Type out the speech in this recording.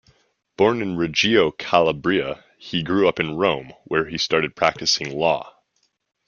Born in Reggio Calabria, he grew up in Rome, where he started practicing law.